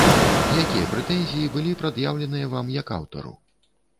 Якія прэтэнзіі былі прад'яўленыя вам як аўтару?